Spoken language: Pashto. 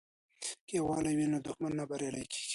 که یووالی وي نو دښمن نه بریالی کیږي.